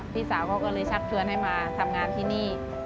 พี่สาวเขาก็เลยชักชวนให้มาทำงานที่นี่